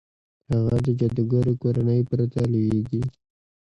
هغه د جادوګرې کورنۍ پرته لوېږي.